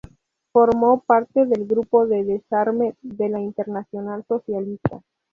Formó parte del Grupo de Desarme de la Internacional Socialista.